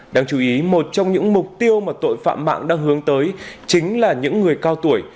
đáng chú ý một trong những mục tiêu mà tội phạm mạng đang hướng tới chính là những người cao tuổi